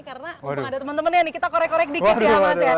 karena udah ada temen temennya nih kita korek korek dikit ya mas ya